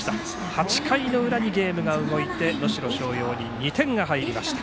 ８回の裏にゲームが動いて能代松陽に２点が入りました。